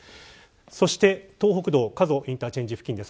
そして、東北道加須インターチェンジ付近です。